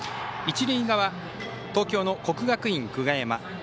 一塁側、東京の国学院久我山。